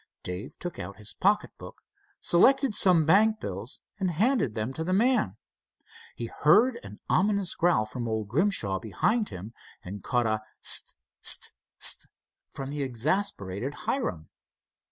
Dave took out his pocket book, selected some bank bills, and handed them to the man. He heard an ominous growl from old Grimshaw behind him, and caught a "S't! S't! S't!" from the exasperated Hiram.